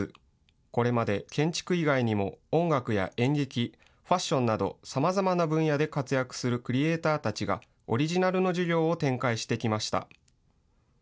これまで建築以外にも音楽や演劇、ファッションなどさまざまな分野で活躍するクリエイターたちがオリジナルの授業を展開してきました。